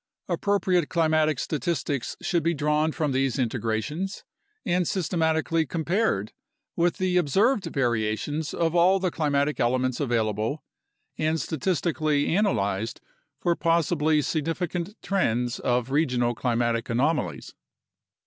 Appropriate climatic statistics should be drawn from these integrations and systematically compared with the observed variations of all the climatic elements available and statistically analyzed for pos sibly significant trends of regional climatic anomalies.